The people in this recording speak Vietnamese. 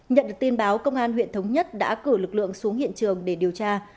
nhận được tin báo công an huyện thống nhất đã cử lực lượng xuống hiện trường để điều tra